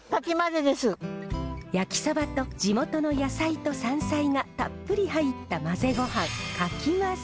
焼きサバと地元の野菜と山菜がたっぷり入った混ぜごはんかきまぜ。